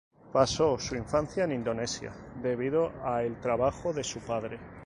Pasó su infancia en Indonesia debido a el trabajo de su padre.